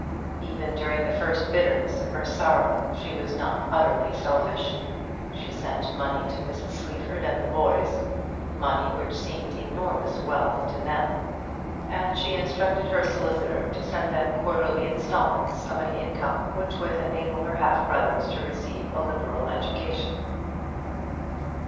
Even during the first bitterness of her sorrow she was not utterly selfish. She sent money to Mrs. Sleaford and the boys money which seemed enormous wealth to them; and she instructed her solicitor to send them quarterly instalments of an income which would enable her half brothers to receive a liberal education.